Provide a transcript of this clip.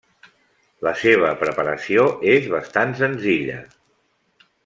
La seva preparació és bastant senzilla.